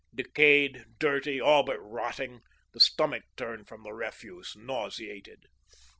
Decayed, dirty, all but rotting, the stomach turned from the refuse, nauseated.